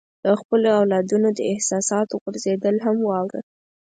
د خپلو اولادونو د احساساتو غورځېدل هم واوره.